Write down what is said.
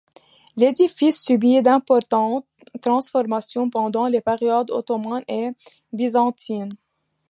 L'édifice subit d'importantes transformations pendant les périodes ottomane et byzantine.